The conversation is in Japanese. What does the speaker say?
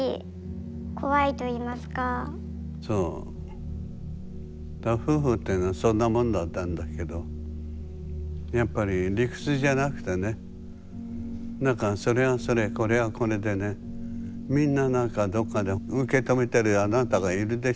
そう夫婦っていうのはそんなもんだったんだけどやっぱり理屈じゃなくてね何かそれはそれこれはこれでねみんな何かどっかで受け止めてるあなたがいるでしょ。